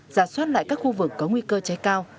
giả soát lại các khu vực có nguy cơ cháy cao